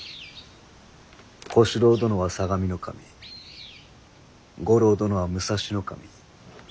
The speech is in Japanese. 小四郎殿は相模守五郎殿は武蔵守。